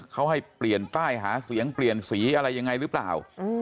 เขาให้เปลี่ยนป้ายหาเสียงเปลี่ยนสีอะไรยังไงหรือเปล่า